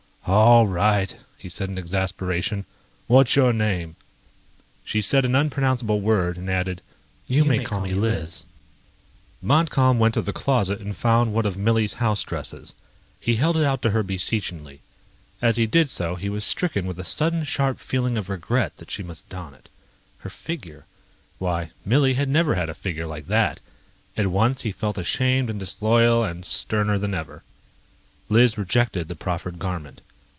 "All right," he said in exasperation. "What's your name?" She said an unpronounceable word and added: "You may call me Liz." Montcalm went to the closet and found one of Millie's house dresses. He held it out to her beseechingly. As he did so, he was stricken with a sudden sharp feeling of regret that she must don it. Her figure ... why Millie had never had a figure like that! At once, he felt ashamed and disloyal and sterner than ever. Liz rejected the proffered garment.